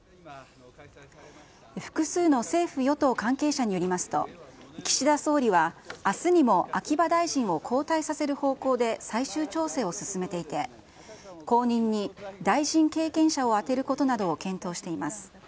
複数の政府・与党関係者によりますと、岸田総理は、あすにも秋葉大臣を交代させる方向で最終調整を進めていて、後任に大臣経験者を充てることなどを検討しています。